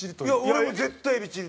俺も絶対エビチリ。